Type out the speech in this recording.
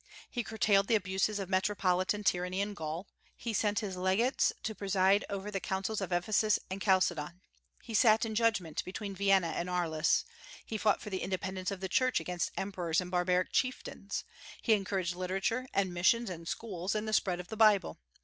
He curtailed the abuses of metropolitan tyranny in Gaul. He sent his legates to preside over the councils of Ephesus and Chalcedon. He sat in judgment between Vienna and Arles. He fought for the independence of the Church against emperors and barbaric chieftains. He encouraged literature and missions and schools and the spread of the Bible.